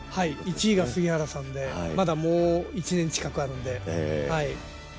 １位が杉原さんで、まだもう１年近くあるので。